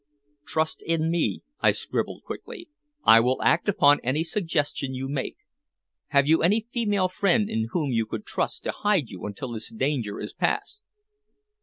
"Trust in me," I scribbled quickly. "I will act upon any suggestion you make. Have you any female friend in whom you could trust to hide you until this danger is past?"